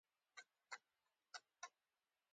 پښتونخوا به يوځل بيا ده افغانستان برخه شي